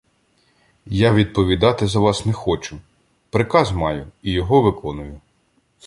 Я відповідати за вас не хочу, приказ маю і його виконую.